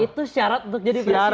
itu syarat untuk jadi presiden